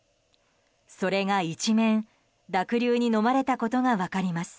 それが一面、濁流にのまれたことが分かります。